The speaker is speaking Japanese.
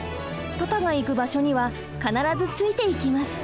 パパが行く場所には必ずついていきます。